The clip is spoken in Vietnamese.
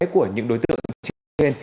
của những đối tượng trị thuê